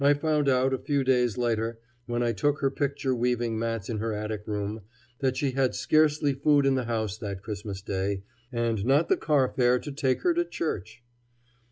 I found out, a few days later, when I took her picture weaving mats in her attic room, that she had scarcely food in the house that Christmas day and not the car fare to take her to church!